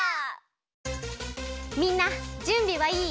みんなじゅんびはいい？